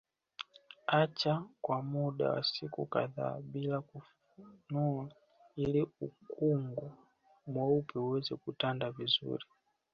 Acha kwa muda wa siku kadhaa bila kufunua ili ukungu mweupe uweze kutanda vizuri